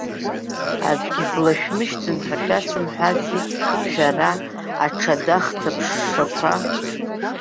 Аӡәгьы длашәмышьҭын ҳәа шәасымҳәази, шәара аҽада хҭыԥшшақәа!